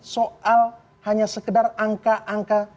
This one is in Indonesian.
soal hanya sekedar angka angka